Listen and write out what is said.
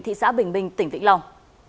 thị xã bình bình tỉnh vĩnh long